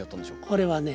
これはね